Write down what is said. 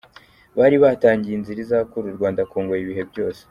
Bari batangiye inzira izakura u Rwanda ku ngoyi ibihe byose.